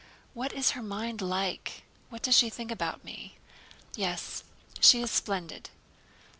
What is her mind like? What does she think about me? Yes, she is splendid!"